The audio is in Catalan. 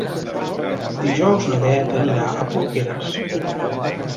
Dijous na Beth anirà a Porqueres.